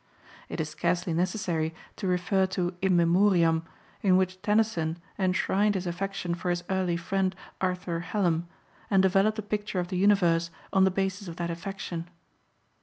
It is scarcely necessary to refer to In Memoriam, in which Tennyson enshrined his affection for his early friend, Arthur Hallam, and developed a picture of the universe on the basis of that affection.